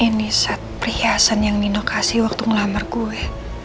ini set perhiasan yang nino kasih waktu ngelamar gue